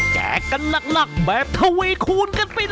แกะกันนักแบบทะเวคูณกันไปเลย